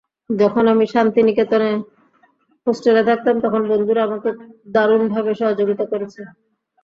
যখন আমি শান্তিনিকেতনে হোস্টেলে থাকতাম, তখন বন্ধুরা আমাকে দারুণভাবে সহযোগিতা করেছে।